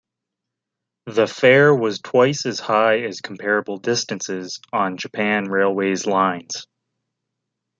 The fare was twice as high as comparable distances on Japan Railways lines.